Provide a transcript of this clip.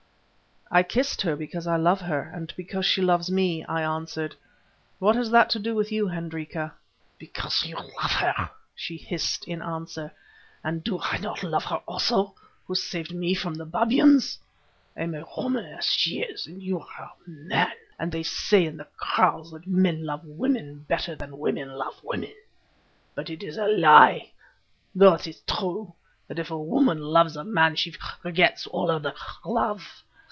"I kissed her because I love her, and because she loves me," I answered. "What has that to do with you, Hendrika?" "Because you love her," she hissed in answer; "and do I not love her also, who saved me from the babyans? I am a woman as she is, and you are a man, and they say in the kraals that men love women better than women love women. But it is a lie, though this is true, that if a woman loves a man she forgets all other love.